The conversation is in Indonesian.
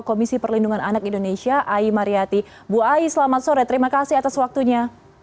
komisi perlindungan anak indonesia ayy mariyati buai selamat sore terima kasih atas waktunya